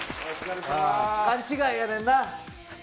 勘違いやねんな。